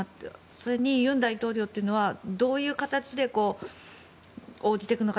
それに尹大統領というのはどういう形で応じていくのか。